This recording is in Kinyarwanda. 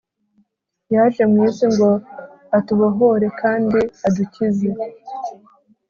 Yaje mu isi ngo atubohore kandi adukize